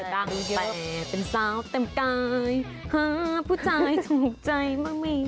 ตั้งแต่เป็นสาวเต็มกายหาผู้ชายถูกใจมาไม่